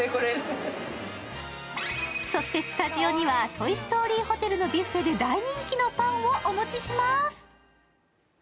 そしてスタジオにはトイ・ストーリーホテルで大人気のパンをお持ちします。